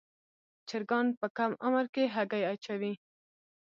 چرګان په کم عمر کې هګۍ اچوي.